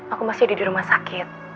aku masih ada di rumah sakit